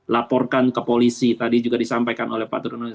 laporkan ke polisi tadi juga disampaikan oleh pak turno